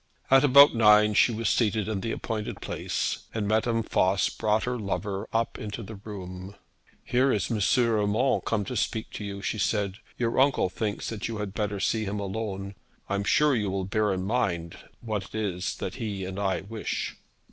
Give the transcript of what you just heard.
At about nine she was seated in the appointed place, and Madame Voss brought her lover up into the room. 'Here is M. Urmand come to speak to you,' she said. 'Your uncle thinks that you had better see him alone. I am sure you will bear in mind what it is that he and I wish.'